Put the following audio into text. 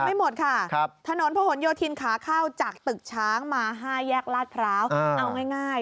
ไม่หมดค่ะถนนพระหลโยธินขาเข้าจากตึกช้างมา๕แยกลาดพร้าวเอาง่าย